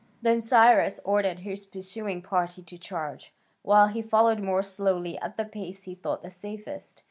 Then Cyrus ordered his pursuing party to charge, while he followed more slowly at the pace he thought the safest.